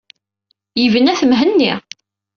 Yebna-t Mhenni.